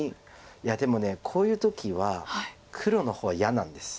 いやでもこういう時は黒の方が嫌なんです。